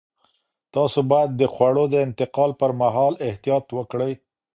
تاسو باید د خوړو د انتقال پر مهال احتیاط وکړئ.